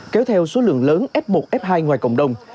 kéo theo số lượng lớn f một f hai ngoài cộng đồng